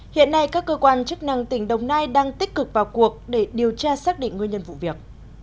hiện nay các cơ quan chức năng tỉnh đồng nai đang tích cực vào cuộc để điều tra xác định nguyên nhân vụ việc